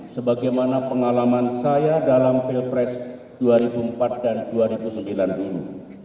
sebagaimana pengalaman saya dalam pilpres dua ribu empat dan dua ribu sembilan ini